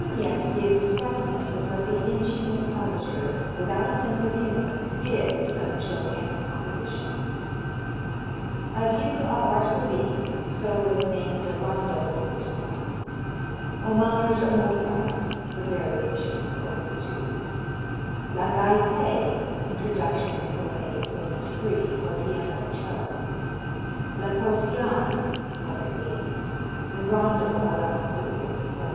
Niecks gives specimens of what the ingenious publisher, without a sense of humor, did with some of Chopin's compositions: Adieu a Varsovie, so was named the Rondo, op. 1; Hommage a Mozart, the Variations, op. 2; La Gaite, Introduction and Polonaise, op. 3 for piano and 'cello; La Posiana what a name! the Rondo a la Mazur, op.